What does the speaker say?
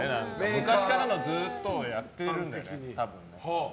昔からのずっとやってるんだよね多分。